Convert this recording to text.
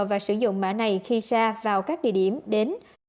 và sử dụng mã này khi ra vào các địa điểm đến